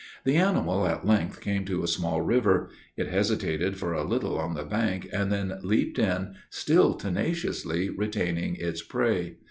The animal at length came to a small river; it hesitated for a little on the brink, and then leaped in, still tenaciously retaining its prey.